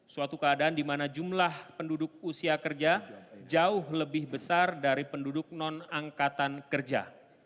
suatu keadaan di mana jumlah penduduk usia kerja jauh lebih besar dari penduduk non angkatan kerja